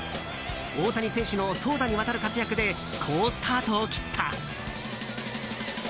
大谷選手の投打にわたる活躍で好スタートを切った。